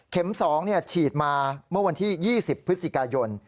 ๒ฉีดมาเมื่อวันที่๒๐พฤศจิกายน